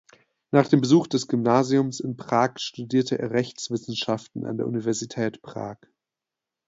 Nach dem Besuch des Gymnasiums in Prag studierte er Rechtswissenschaften an der Universität Prag.